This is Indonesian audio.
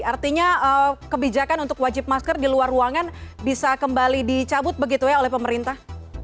artinya kebijakan untuk wajib masker di luar ruangan bisa kembali dicabut begitu ya oleh pemerintah